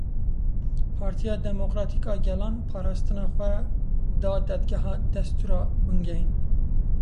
Partiya Demokratîk a Gelan parastina xwe da Dadgeha Destûra Bingehîn.